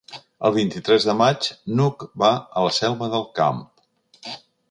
El vint-i-tres de maig n'Hug va a la Selva del Camp.